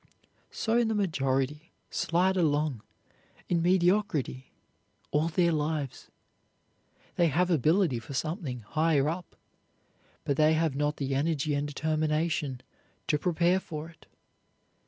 So the majority slide along in mediocrity all their lives. They have ability for something higher up, but they have not the energy and determination to prepare for it.